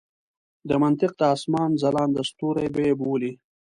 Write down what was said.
د منطق د اسمان ځلانده ستوري به یې بولي.